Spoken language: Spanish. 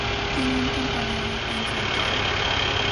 Tiene un campanario en su entrada.